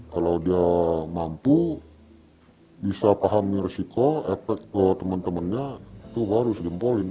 kalau dia mampu bisa pahami risiko efek ke teman temannya itu baru sejempolin